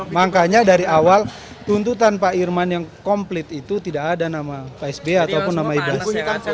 makanya dari awal tuntutan pak irman yang komplit itu tidak ada nama pak sby ataupun nama ibas